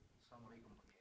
assalamualaikum pak yai